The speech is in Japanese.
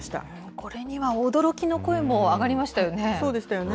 これには驚きの声も上がりましたよね。